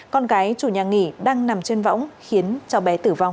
con gái chủ nhà nghỉ đang nằm trên võng khiến cháu bé tử vong